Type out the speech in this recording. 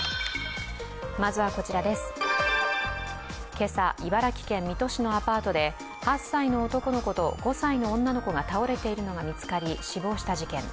今朝、茨城県水戸市のアパートで８歳の男の子と５歳の女の子が倒れているのが見つかり死亡した事件。